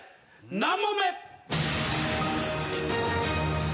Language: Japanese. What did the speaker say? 何問目？